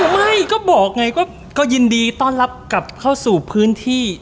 ไม่ก็บอกไงก็ยินดีต้อนรับกลับเข้าสู่พื้นที่